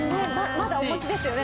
まだお持ちですよね？